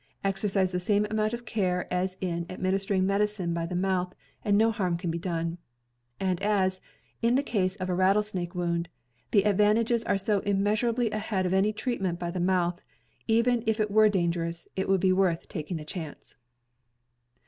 Exercise the same amount of care as in adminis tering medicine by the mouth and no harm can be done; and as, in the case of a rattlesnake wound, the advantages are so immeasurably ahead of any treatment by the mouth, even if it were dangerous, it would be worth taking the chance.